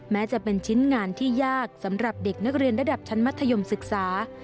แม้จะเป็นชิ้นงานที่ยากสำหรับเด็กนักเรียนระดับชั้นมัธยมศึกษา